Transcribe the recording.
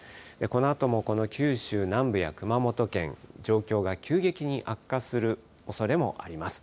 このあともこの九州南部や熊本県、状況が急激に悪化するおそれもあります。